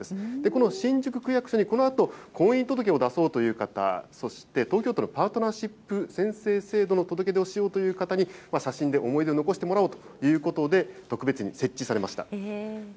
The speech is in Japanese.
この新宿区役所にこのあと婚姻届を出そうという方、そして東京都のパートナーシップ宣誓制度の届け出をしようという方に、写真で思い出を残してもらおうということで、特別に設置されました。